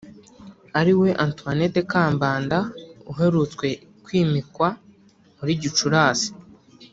ariwe Antoine Kambanda uherutswe kwimikwa muri gicurasi